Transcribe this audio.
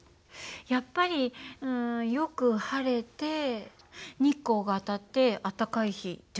やっぱりうんよく晴れて日光が当たって暖かい日じゃない？